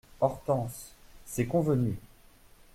Hortense C'est Convenu …